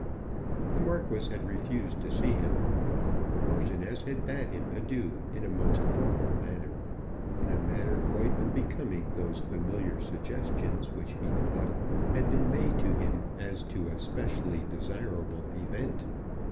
The Marquis had refused to see him. The Marchioness had bade him adieu in a most formal manner, in a manner quite unbecoming those familiar suggestions which, he thought, had been made to him as to a specially desirable event.